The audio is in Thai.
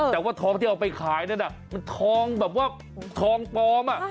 แต่ว่าทองที่เอาไปขายนั่นน่ะมันทองแบบว่าทองปลอม